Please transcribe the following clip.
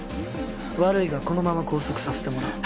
悪いがこのまま拘束させてもらう。